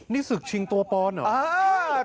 นี่ศึกชิงตัวปอนเหรอ